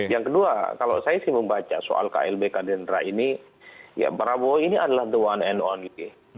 yang kedua kalau saya sih membaca soal klb kadendra ini ya prabowo ini adalah the one and only